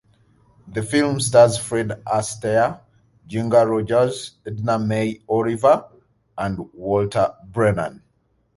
The film stars Fred Astaire, Ginger Rogers, Edna May Oliver, and Walter Brennan.